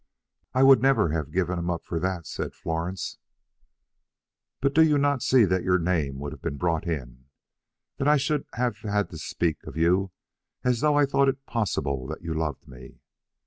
"I would never have given him up for that," said Florence. "But do you not see that your name would have been brought in, that I should have had to speak of you as though I thought it possible that you loved me?"